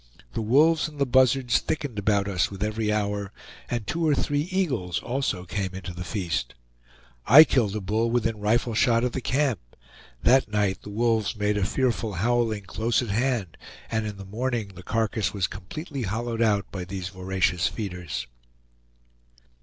The wolves and the buzzards thickened about us with every hour, and two or three eagles also came into the feast. I killed a bull within rifle shot of the camp; that night the wolves made a fearful howling close at hand, and in the morning the carcass was completely hollowed out by these voracious feeders.